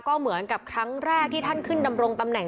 ก็เหมือนกับครั้งแรกที่ท่านขึ้นดำรงตำแหน